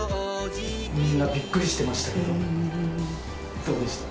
みんなびっくりしてましたけどどうでした？